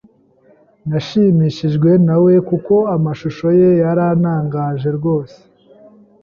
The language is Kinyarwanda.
Nashimishijwe na we kuko amashusho ye yarantangaje rwose.